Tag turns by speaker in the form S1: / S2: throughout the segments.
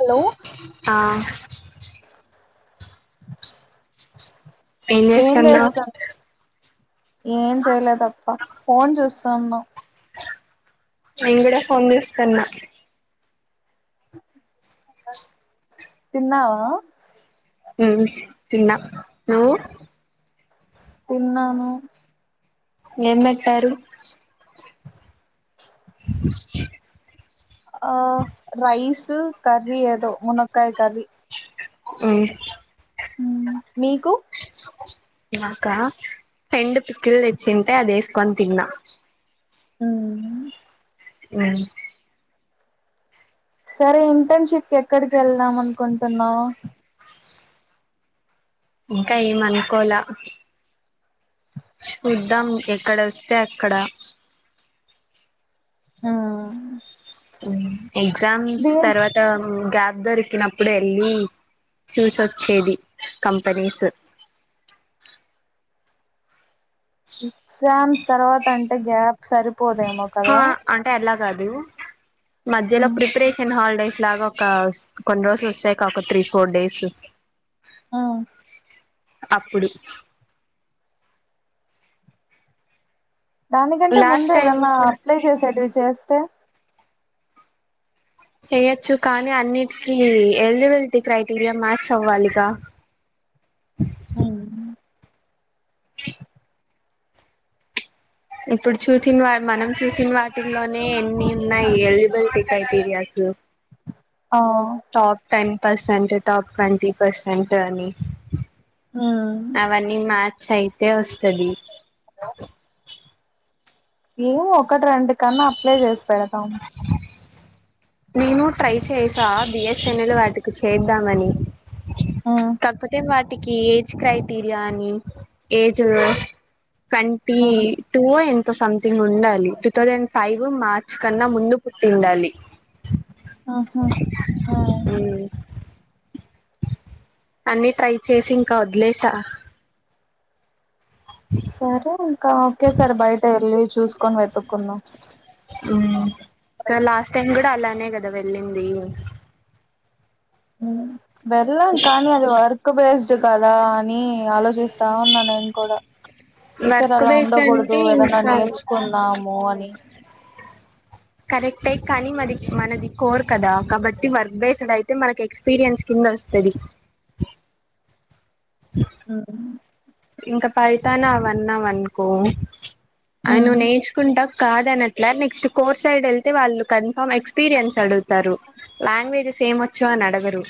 S1: Hello
S2: ఆ ఏం చేస్తాన్నావ్
S1: ఏం చెయ్యలేదప్ప ఫోన్ చూస్తాన్నాం
S2: నేన్ కూడా ఫోన్ చూస్తాన్న
S1: తిన్నావా
S2: హ్మ్ తిన్నా నువ్వు
S1: తిన్నాను
S2: ఏం పెట్టారు
S1: ఆ రైస్ కర్రీ ఏదో మునక్కయ్ కర్రీ
S2: హ్మ్
S1: హ్మ్ మీకు
S2: నాకా ఫ్రెండ్ పిక్కిల్ తెచ్చింటే అది వేసుకొని తిన్నా.
S1: హ్మ్ మ్మ్
S2: మ్మ్
S1: సరే ఇంటన్ షిప్ ఎక్కడికి వెళ్దాం అనుకుంటున్నావ్.
S2: ఇంకా ఏమనుకోలా చూద్దాం ఎక్కడ వస్తే అక్కడ
S1: ఆ
S2: ఉమ్ ఎగ్జామ్స్ తర్వాత గ్యాప్ దొరికినప్పుడు వెళ్ళి చూస్ వచ్చేది కంపెనీస్
S1: ఎక్జామ్స్ తర్వాత అంటే గ్యాప్ సరి పోదేమో
S2: ఆ
S1: కదా
S2: అంటే అలా కాదు మధ్యలో
S1: మ్మ్.
S2: ప్రిపరేషన్ హాల్డేస్ ఇలాగ ఒక కొన్ని రోజులు వస్తాయి కాక ఒక త్రీ ఫోర్ డేస్
S1: ఆ
S2: అప్పుడు
S1: దానికంటే
S2: లాస్ట్
S1: ముందే
S2: టైం
S1: ఏదన్నా
S2: కూడా
S1: అప్లై చేసేటివి చేస్తే
S2: చెయొచ్చు కానీ అన్నిటికీ ఎలిజిబిలిటీ క్రైటీరియా మ్యాచ్ అవ్వాలిగా
S1: ఉమ్
S2: ఇప్పుడు చూసిన వా మనం చూసిన వాటిల్లోనే ఎన్ని ఉన్నాయి ఎలిజిబిలిటీ క్రైటీరియాస్
S1: ఆ
S2: top ten percent top twenty percent అని
S1: మ్మ్.
S2: అవన్ని మ్యా చైతే వస్తది
S1: హలో ఏవో ఒకటి రెండు కన్నా అప్లై చేసి పెడతాం
S2: నేను ట్రై చేసా బి ఎస్ ఎన్ ఎల్ వాటికి చేద్దామని తప్పితే వాట్ టికి ఏజ్ క్రైటీరియా అని ఏజు ట్వంటీ టూ వో ఎంతో సంథింగ్ ఉండాలి టూ థౌజండ్ ఫైవ్ మార్చ్ కన్నా ముందు పుట్టిండాలి
S1: ఆహా ఆ
S2: అన్నీ ట్రై చేసి ఇంక వదిలేసా
S1: సరే ఇంక ఓకే సారి బయట వెళ్ళి చూస్ కోని వెతుక్కుందాం
S2: ఉమ్ క లాస్ట్ టైమ్ కూడా అలా నే కదా వెళ్లింది
S1: ఊ వెల్లాం కానీ అది వర్క్ బేస్ చు కదా అని ఆలోచిస్తా ఉన్నా నేను కూడా ఈ సారి
S2: వర్క్
S1: అలా
S2: బేస్డ్ అంటే
S1: ఉండగూడదు ఏదన్నా
S2: ఇంకా
S1: నేర్చుకుందాము అని
S2: కరెక్టే కానీ మది మనది కోరు కదా కాబట్టి వర్క్ బేస్డ్ అయితే మనకి ఎక్స్పిరియన్స్ కింద వొస్తది
S1: హ్మ్
S2: ఇంకా పైతాన్ అవన్నావ్ అనుకో అయి నువ్వు నేర్చుకుంటా కాదనట్లా నెక్స్ట్ కోర్ సైడ్ వెళ్తే వాళ్ళు కన్ఫామ్ ఎక్స్పీరియన్స్ అడు తరు లాంగ్వేజెస్ సేమొచ్చు అని అడగరు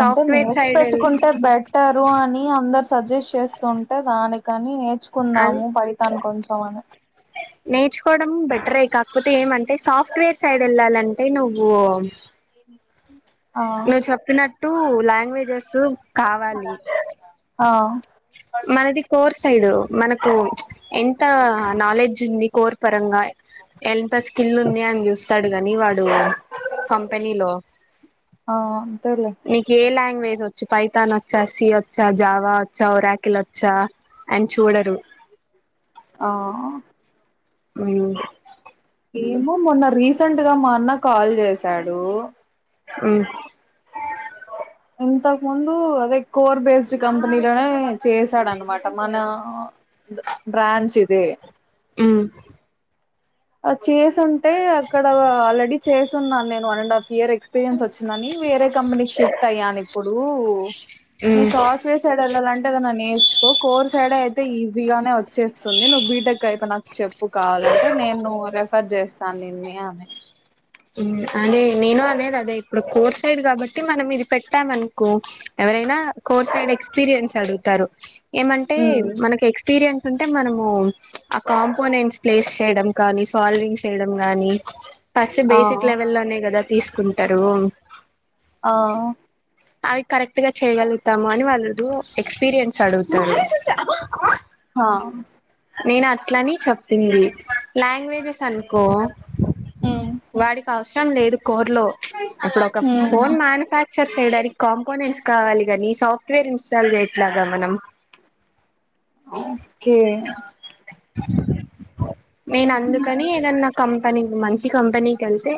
S1: అంటే నేర్చి
S2: సైడ్ వెళ్తే
S1: పెట్టుకుంటే బెటర్ రు అని అందరూ అందరూ సజెస్ చేస్తుంటే దానికని నే
S2: అది
S1: ర్చుకుందాము ఫైతాన్ కొంచెం అని
S2: నేర్చుకోవడం బెటరే కాకపోతే ఏమంటే సాఫ్ట్వేర్ సైడ్ ఎళ్ళాలంటే నువ్వు
S1: ఆ
S2: నువ్వు చెప్పిన ట్టు లాంగ్వేజెస్ ప్రూఫ్ కావాలి
S1: ఆ
S2: మనది కోర్ సైడు మనకు ఎంత నాలెడ్జ్ ఉంది కోర్ పరంగా ఎంత స్కిల్ ఉంది అని చూస్ వస్తాడు కానీ వాడు కంపెనీలో
S1: ఆ అంతేలే
S2: వేస్ వచ్చి పైతాన్ వచ్చా సి వచ్చా జావా చ్ సౌరాకిలు వచ్చా అని చూడరు
S1: ఆ
S2: హ్మ్
S1: ఏమో మొన్న రీసెంట్ గా మా అన్న కాల్ చేసాడు
S2: ఉ
S1: ఇంతకు ముందు అదే కోర్ బేస్డ్ కంపెనీలోనే చేసాడనమాట మన బ్రాంచ్ ఇదే
S2: ఉ
S1: అది చేసుంటే అక్కడ ఆల్రెడీ చేసి ఉన్నాను నేను one and half year experience వచ్చిందని వేరే కంపెకి షిఫ్ట్ అయ్యాను ఇప్పుడూ నువ్వు
S2: మ్మ్
S1: సాఫ్ట్వేర్ సైడ్ ఎళ్ళాలంటే ఎదన్న నేర్చుకో కోర్ సైడ్ అయితే ఈజీగానే వచ్చేస్తుంది నువ్వు బీటెక్ అయిపోయినాకు చెప్పు కావాలంటే రిఫర్ చేస్తాను నిన్నే అని
S2: అదే నేను అనేది అదే ఇప్పుడు కోర్ సైడ్ కాబట్టి మనం ఇది పెట్టామనుకో ఎవరైనా కోర్ సైడ్ ఎక్స్పీరియన్స్ అడుగుతారు ఏమంటే
S1: ఉమ్,
S2: మనకి ఎక్స్పీరియన్ అంటే మనము ఆ కాంపోనెంట్స్ ప్లేస్ చేయడం కానీ సాల్వింగ్ చేయడం కానీ
S1: ఆ
S2: బేసిక్ లెవెల్లోనే కదా తీసుకుంటరూ
S1: ఆ
S2: అవి కరెక్ట్ గా చేయగలుగుతాము అని వాళ్ళు ఎక్స్పీరియన్స్ అడుగుతారు
S1: హా
S2: నేను అట్లని చెప్పింది లాంగ్వేజెస్ అనుకో
S1: ఉమ్
S2: వాడికి అవసరం లేదు కోర్ లో ఇప్పుడు ఒక
S1: అని
S2: ఫోన్ మ్యానుఫ్యాక్చర్ చేయడానికి కాంపోనెంట్స్ కావాలి గాని సాఫ్ట్వేర్ ఇన్స్టాల్ చేయట్లాగా మనం
S1: ఓకే
S2: [inaudible] నేను అందుకని ఏదన్నా కం కానీ మంచి కంపెనీ కెళ్తే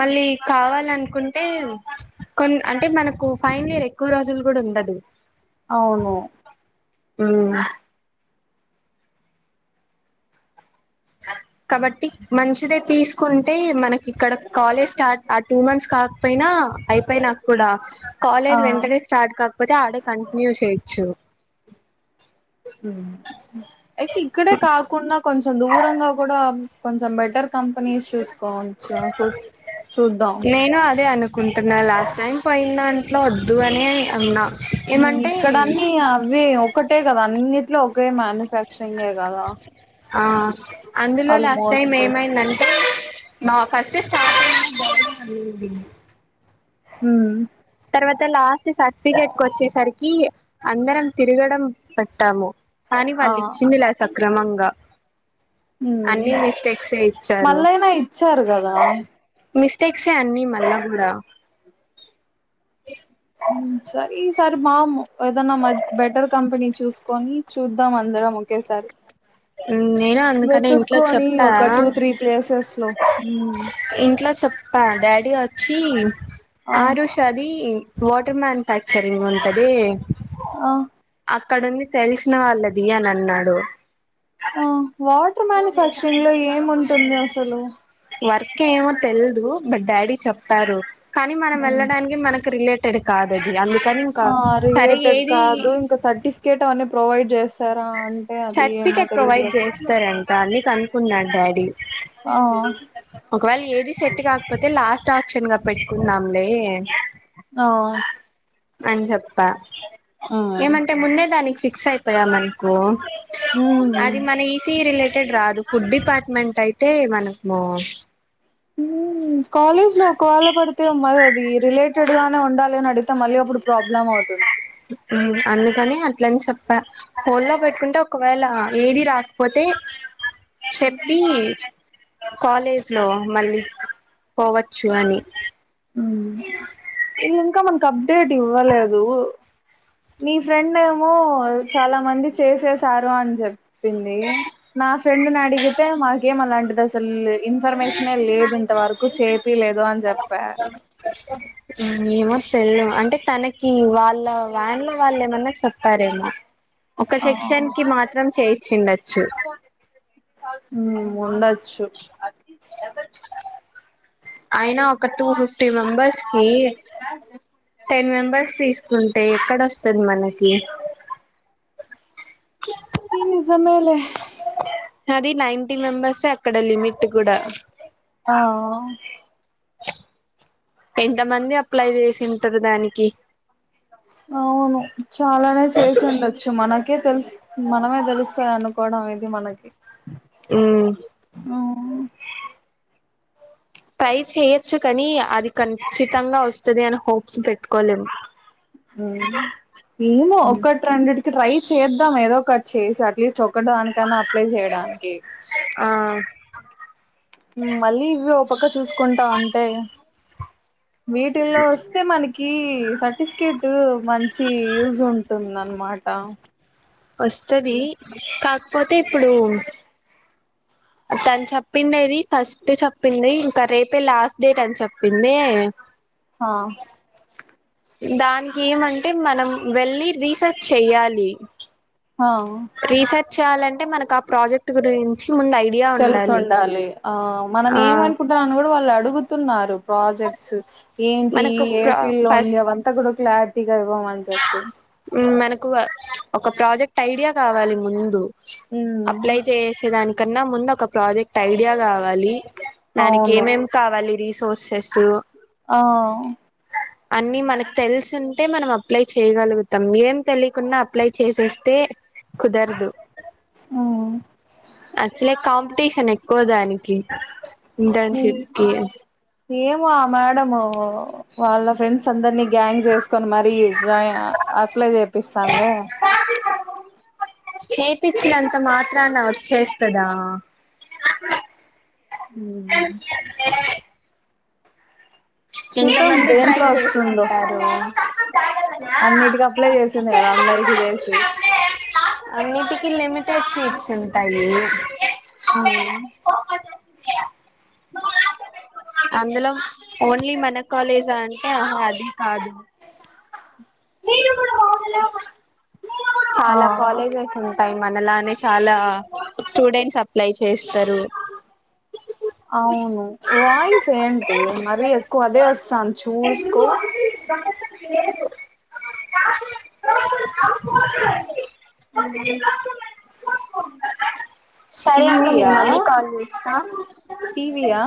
S2: మళ్ళీ కావా అనుకుంటే కొ అంటే మనకు ఫైనల్ ఇయర్ ఎక్కువ రోజులు కూడా ఉండదు
S1: అవును
S2: ఉమ్ కాబట్టి మంచిదే తీసుకుంటే మనకి ఇక్కడ కాలేజ్ స్టార్ట్ ఆ టూ మంత్స్ కాకపోయినా అయి పోయినాక కూడా
S1: ఆ
S2: కాలేజ్ వెంటనే స్టార్ట్ కాకపోతే ఆడే కంటిన్యూ చేయొచ్చు. [inaudible]
S1: ఉమ్ అయితే ఇక్కడే కాకుండా కొంచెం దూరంగా కూడా కొంచెం బెటర్ కంపెనీస్ చూసుకోవచ్చు చూద్దాం
S2: కుంటున్నా లాస్ట్ టైం పోయిన దాంట్లో వద్దు అనే అన్నా ఏమంటే
S1: ఇక్కడన్నీ అవే ఒకటే కాదు అన్నిటిలో ఒకే మ్యానుఫ్యాక్చరింగే గదా
S2: ఆ అందులో లాస్ట్ టైం ఏమైందంటే? నా ఫస్ట్ స్టార్టింగ్ [inaudible]
S1: మ్మ్
S2: తర్వాత లాస్ట్ సర్టిఫికెట్ కొచ్చేసరికి అందరం తిరగడం పెట్టాము. కానీ
S1: ఆ
S2: వాళ్ళిచ్చిందిలే స క్రమంగా
S1: మ్మ్
S2: ఇచ్చారు
S1: మళ్ళైనా ఇచ్చారు గదా.
S2: మిస్టేక్సే అన్నీ మళ్ళా గూడా
S1: మ్మ్ సరే ఈసారి మామ్ ఏదనా బెటర్ కంపెనీ చూసుకొని చూద్దాం అందరం ఒకేసారి.
S2: మ్మ్ నేను అందుకనే ఇంట్లో
S1: వెతుక్కొని
S2: చెప్పా
S1: ఒక టూ త్రీ ప్లేసెస్ లో
S2: ఇంట్లో చెప్పా డా డి వొచ్చి
S1: ఆ
S2: ఆరూష దీ వాటర్ మ్యాన్ఫ్యాక్చరింగ్ ఉంటది
S1: ఆ
S2: అక్కడుంది తెల్సిన వాళ్ళది అని అన్నాడు.
S1: ఆ వాటర్ మ్యానుఫ్యాక్చరింగ్ లో ఏం ఉంటుంది అసలు.
S2: వర్కేమో తెల్దు బట్ డాడీ చెప్పారు. కానీ మనం
S1: హ్మ్.
S2: వెళ్ళడానికి మనకి రిలే టెడ్ కాదది అందు
S1: ఆ రిలేటెడ్ కాదు ఇంకా సర్టిఫికేట్ అవన్నీ ప్రొవైడ్ చేస్
S2: సర్ట్ఫికెట్ ప్రొవైడ్ చేస్తారంట అన్నీ కనుక్కున్నాడ్ డాడీ
S1: ఆ
S2: ఒకవేళ ఏది సెట్ గాకపోతే లాస్ట్ ఆప్షన్ గా పెట్టుకున్నాంలే
S1: ఆ
S2: అని చెప్ ప్ప
S1: ఆ
S2: ఏమంటే ముందే దానికి ఫిక్సై పోయామనకో
S1: హ్మ్
S2: అది మన ఈ సీ ఈ రిలేటెడ్ రాదు ఫుడ్ డిపార్ట్మెంట్ అయి తే మనము
S1: మ్మ్ కాలేజ్ లో ఒకవేళ పడితే మరి అది రిలేట్ టెడుగానే ఉండాలని అడితే మళ్ళీ అప్పుడు ప్రాబ్లమ్ అవుతుంది.
S2: మ్మ్ అందుకనే అట్లని చెప్పా. హోల్డ్ లో పెట్టుకుంటే ఒకవేళ ఏది రాకపోతే, చెప్పీ కాలేజ్ లో మళ్ళి పోవచ్చు అని
S1: మ్మ్ వీళ్ళింకా మనకి అప్డేట్ ఇవ్వలేదూ. నీ ఫ్రెండేమో చాలా మంది చేసేసారు అని చెప్పింది నా ఫ్రెండ్నడిగితే మాకేం అలాంటిదసలు ఇన్ఫర్మేషనే లేదు ఇంత వరకు చేపీలేదు అని చెప్పా
S2: మ్మ్ ఏమో తెల్దు అంటే తనకి వాళ్ళ వాన్ లో వాళ్ళేమన్నా చెప్పారేమో ఒక
S1: ఆ
S2: సెక్షన్ కి మాత్రం చేయిచ్చిండొచ్చు
S1: మ్మ్ ఉండొచ్చు డబల్
S2: ఐనా ఒక టూ ఫిఫ్టీ మెంబర్స్ కి టెన్ మెంబర్స్ తీసుకుంటే ఎక్కడొస్ వస్తది మనకి
S1: ఇ నిజమేలే
S2: అది నైన్టీ మెంబెర్సే అక్కడ లిమిట్ కూడా
S1: ఆ
S2: ఎంతమంది అప్లై చేసింటరు దానికి
S1: అవును చాలానే చేసిండచ్చు మన కే తెలుసు మనమే తెలుస్తాది అనుకోవడం ఇది మనకి
S2: ఇమ్
S1: ఉమ్
S2: ట్రై చెయచ్చు కాని అది కన్ చితంగా వొస్తది అనొ
S1: ఏమో ఒకటి రెండిటికి ట్రై చేద్దాం ఏదో ఒకట్ చేసి అట్లీస్ట్ చొకటి దానికైన్నా అప్లై చేయడానికి
S2: ఆ
S1: ఉమ్ మళ్ళీ ఇవి ఓ పక్క చూసుకుంటా ఉంటే వీటిల్లో వస్తే మని కి సర్టిఫికేట్ మంచి యూజ్ ఉంటుంది అనమాట
S2: వస్తది కా పోతే ఇప్పుడు అ తను చెప్పిండేది ఫస్ట్ చెప్పింది ఇంకా రేపే లాస్ట్ డేట్ అని చెప్పిందే
S1: హా
S2: దానికి ఏమంటే మనం వెళ్ళి రిసార్చ్ చెయ్యాలి.
S1: ఆహా
S2: రీసెర్చ్ చేయాలంటే మనకు ఆ ప్రాజెక్ట్ గురించ్
S1: తెలుసుండాలి ఆ మనం
S2: ఆ
S1: ఏమ్ అనుకుంటున్నానో కూడా వాళ్ అడు అడుగుతున్నారు ప్రాజెక్ట్స్ ఏంటి
S2: మనకు
S1: ఏ
S2: ప్ర
S1: ఫీల్డ్ లో ఉంది.
S2: ఫస్ట్
S1: అవంతా కూడా క్లారిటీ గర్వం అని చెప్పి
S2: ఎక్కువ ప్చ్ ఒక ప్రాజెక్ట్ ఐడియా కావాలి ముందు. అప్లై
S1: ఉమ్
S2: చేసే దానికి కన్నా ముందు ఒక ప్రాజెక్ట్ ఐడియా కావాలి దానికి
S1: అవును
S2: ఏమేం కావాలి తీసుకో సోర్సెస్
S1: ఆ
S2: అన్నిీ మనకు తెలిసుంటే మనం అప్ అప్లై చేయగలుగుతాం ఏం తెలియకుంన్నా అప్లై చేసేస్తే కుదరదు
S1: ఉమ్
S2: అసలే కాంప్ టీషన్ ఎక్కువ దానికి. దాని శతి
S1: ఏమో ఆ మేడము వాళ్ళ ఫ్రెండ్స్ అందరినీ గ్యాంగ్ చేస్త. అతను మరి ఛాయా అప్లై చేపిస్తోందా.
S2: చేపించినంత మాత్రాన వచ్చేస్తదా.
S1: ఉ
S2: ఇంతమంది ట్రై
S1: దేంట్లో
S2: చేసి
S1: వస్తుందో
S2: ఉంటారు.
S1: అన్నిటికి అప్లై చేసింది. కదా అందరికి చేసి.
S2: అన్నిటికీ లిమిటెడ్ సీట్స్ ఉంటాయి
S1: ఉ
S2: అందులో ఓన్లీ మన కాలేజ్ అంటే ఆ అది కాదు
S1: ఆ
S2: చాలా కాలేజెస్ ఉంటాయి మనలానే చాలా స్టూడెంట్స్ అప్లైచేస్తారు
S1: అవును కు అదే వస్తాను చూసుకో
S2: [inaudible] సరే ఉండు నేను
S1: టీవీయా
S2: మళ్ళీ కాల్ చేసినా
S1: టీవీయా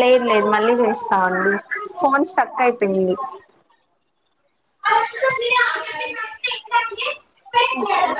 S2: లేదు లేదు మళ్ళీ చేస్తామండి ఫోన్స్ స్ట్రక్ అయిపోయింది [inaudible]
S1: ఓకే